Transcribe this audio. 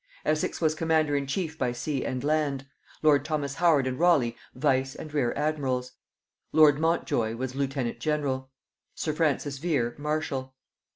Essex was commander in chief by sea and land; lord Thomas Howard and Raleigh vice and rear admirals; lord Montjoy was lieutenant general; sir Francis Vere, marshal.